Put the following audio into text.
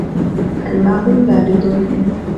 الماء بارد